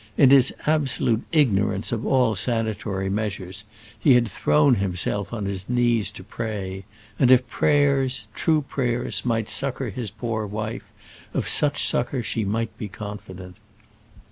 In his absolute ignorance of all sanatory measures, he had thrown himself on his knees to pray; and if prayers true prayers might succour his poor wife, of such succour she might be confident.